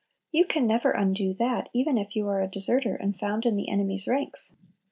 You can never undo that, even if you are a deserter, and found in the enemy's ranks.